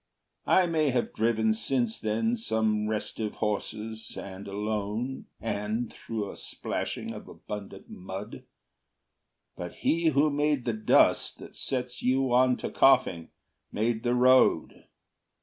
I may have driven Since then some restive horses, and alone, And through a splashing of abundant mud; But he who made the dust that sets you on To coughing, made the road.